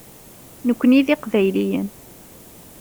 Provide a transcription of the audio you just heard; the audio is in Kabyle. Nekkni d iqbayliyen.